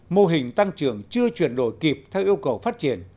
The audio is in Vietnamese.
mô hình tăng trưởng chưa chuyển đổi kịp theo yêu cầu phát triển